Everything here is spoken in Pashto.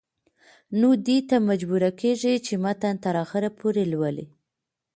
نو دې ته مجبوره کيږي چې متن تر اخره پورې لولي